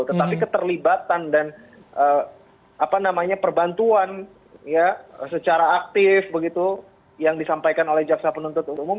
tetapi keterlibatan dan perbantuan secara aktif begitu yang disampaikan oleh jaksa penuntut umum